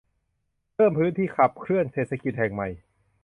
เพิ่มพื้นที่ขับเคลื่อนเศรษฐกิจแห่งใหม่